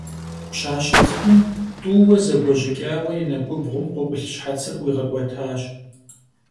Пщащэ цӀыкӀум тӀууэ зэгуэжьыкӀауэ и нэкӀубгъум къыӀулъ щхьэцыр ӀуигъэкӀуэтащ.